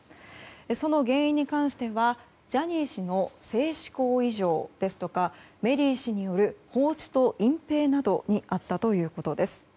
その原因に関してはジャニー氏の性嗜好異常ですとかメリー氏による放置と隠ぺいなどにあったということです。